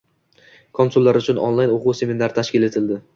Konsullar uchun onlayn o‘quv seminar tashkil etildi